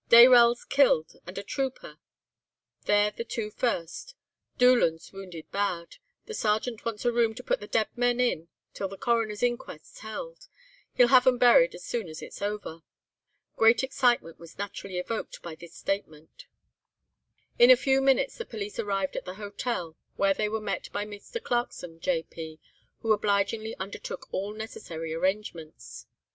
Dayrell's killed, and a trooper—they're the two first; Doolan's wounded bad. The Sergeant wants a room to put the dead men in till the Coroner's inquest's held; he'll have 'em buried as soon as it's over.' "Great excitement was naturally evoked by this statement. "In a few minutes the police arrived at the Hotel, where they were met by Mr. Clarkson, J.P., who obligingly undertook all necessary arrangements.